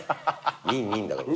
ニンニンだから。